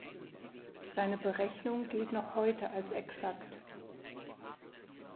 Seine Berechnung gilt noch heute als exakt.